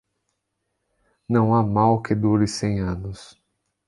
Não há mal que dure cem anos.